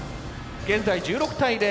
現在１６対０。